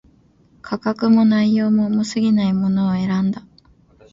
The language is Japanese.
価格も、内容も、重過ぎないものを選んだ